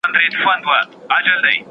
ده مینې لار واخله یقین به شې، ایمان به شې